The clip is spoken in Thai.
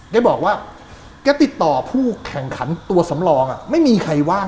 แกบอกว่าแกติดต่อผู้แข่งขันตัวสำรองไม่มีใครว่าง